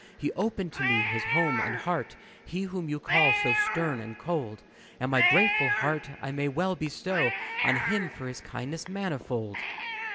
"He opened to me his home and heart He whom you call so stern and cold And my grateful heart I may well bestow On him for his kindness manifold."